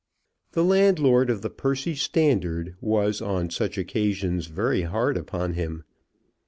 The landlord of the Percy Standard was on such occasions very hard upon him.